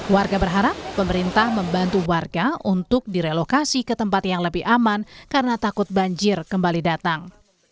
warga berharap pemerintah membantu warga untuk direlokasi ke tempat yang lebih aman karena takut banjir kembali datang